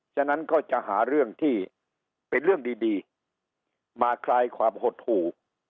ฉะนั้นก็จะหาเรื่องที่เป็นเรื่องดีมาคลายความหดหู่